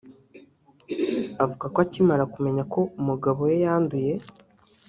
Avuga ko akimara kumenya ko umugabo we yanduye